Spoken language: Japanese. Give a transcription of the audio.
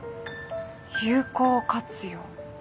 有効活用。